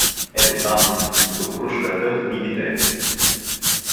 — Ето там, до крушката, в нивите.